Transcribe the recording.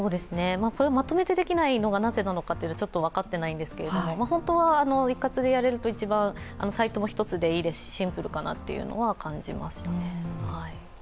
まとめてできないのが、なぜなのか、分かっていないんですが本当は一括でやれると一番、サイトも１つでいいしシンプルかなというのは感じましたね。